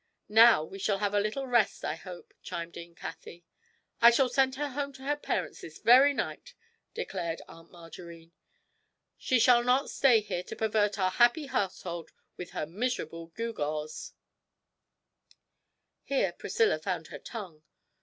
'Now we shall have a little rest, I hope,' chimed in Cathie. 'I shall send her home to her parents this very night,' declared Aunt Margarine; 'she shall not stay here to pervert our happy household with her miserable gewgaws!' Here Priscilla found her tongue.